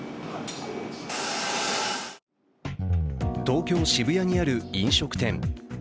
東京・渋谷にある飲食店。